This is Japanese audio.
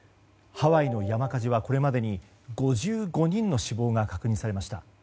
ハワイの山火事はこれまでに５５人の死亡が確認されました。